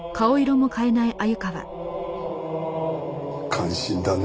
感心だね。